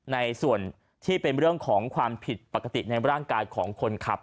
ในส่วนที่เป็นเรื่องของความผิดปกติในร่างกายของคนขับ